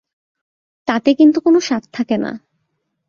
তাতে কিন্তু কোনো স্বাদ থাকে না।